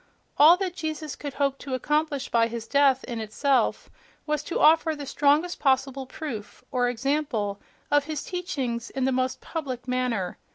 All that Jesus could hope to accomplish by his death, in itself, was to offer the strongest possible proof, or example, of his teachings in the most public manner....